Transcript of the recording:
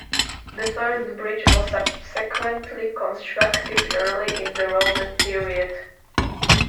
The first bridge was subsequently constructed early in the Roman period.